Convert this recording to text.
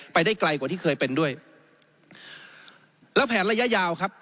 ไปได้ไกลกว่าที่เคยเป็นด้วยแล้วแผนระยะยาวครับ